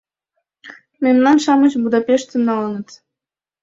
Мемнан-шамыч Будапештым налыныт!